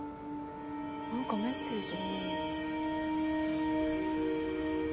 「なんかメッセージ」